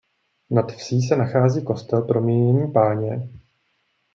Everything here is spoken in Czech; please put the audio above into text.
Nad vsí se nachází kostel Proměnění Páně.